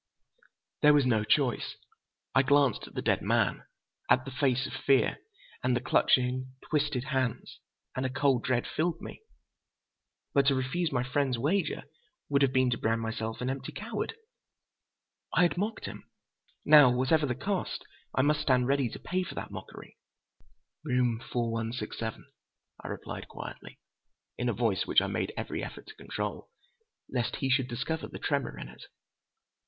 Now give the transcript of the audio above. There was no choice. I glanced at the dead man, at the face of fear and the clutching, twisted hands, and a cold dread filled me. But to refuse my friend's wager would have been to brand myself an empty coward. I had mocked him. Now, whatever the cost, I must stand ready to pay for that mockery. "Room 4167?" I replied quietly, in a voice which I made every effort to control, lest he should discover the tremor in it.